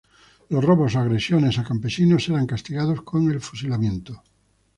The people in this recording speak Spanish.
Los robos o agresiones a campesinos eran castigados con el fusilamiento.